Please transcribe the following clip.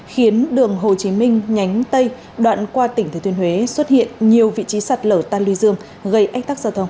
khiến đường hồ chí minh nhánh tây đoạn qua tỉnh thời thuyền huế xuất hiện nhiều vị trí sặt lở tan lươi dương gây ách tác giao thông